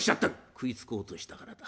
「食いつこうとしたからだ。